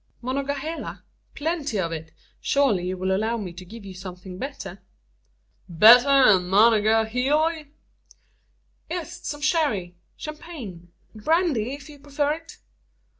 "Monongahela? plenty of it. Surely you will allow me to give you something better?" "Better 'n Monongaheely!" "Yes. Some sherry champagne brandy if you prefer it."